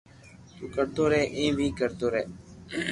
تو ڪرتو رھي ايم ڪوم ڪرتو رھي